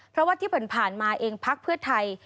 เพราะว่าที่ผ่านมาเองพักเพื่อไทย